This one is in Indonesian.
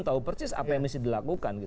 tahu persis apa yang mesti dilakukan